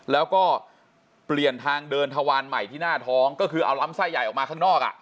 แล้วก็เปลี่ยนทางเดินทวารใหม่ที่หน้าท้องก็คือเอาลำไส้ใหญ่ออกมาข้างนอก